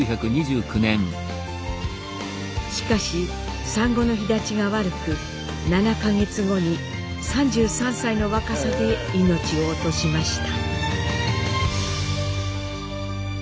しかし産後の肥立ちが悪く７か月後に３３歳の若さで命を落としました。